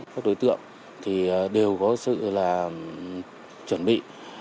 các đối tượng thì đều có sự là chuẩn bị